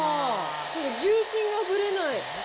重心がぶれない。